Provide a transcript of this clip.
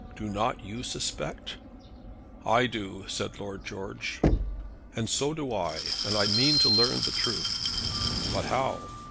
Do not you suspect?" "I do," said Lord George. "And so do I. And I mean to learn the truth." "But how?"